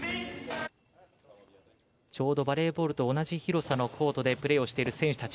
バレーボールと同じ広さのコートでプレーをしている選手たち。